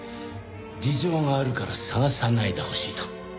事情があるから捜さないでほしいと。